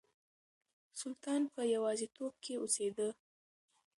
سلطان په يوازيتوب کې اوسېده.